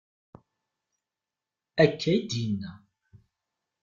Akka i d-yenna.